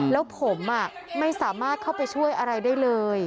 แล้วผมไม่สามารถเข้าไปช่วยอะไรได้เลย